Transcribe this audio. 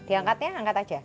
diangkatnya angkat aja